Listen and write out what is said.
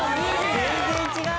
全然違う！